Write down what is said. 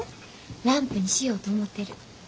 ランプにしようと思ってる。